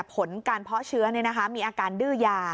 ผลการเพาะเชื้อมีอาการดื้อยา